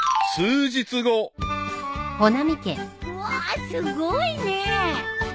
うわあすごいね！